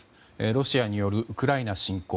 ロシアによるウクライナ侵攻。